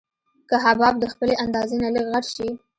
که حباب د خپلې اندازې نه لږ غټ شي.